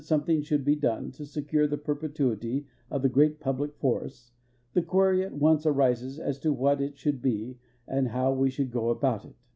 something shouhl he done to seeure the per petuity of tlie great jtuldic forests, the (juery at onee arises as to what it should l)e and how we sliould go ahout it.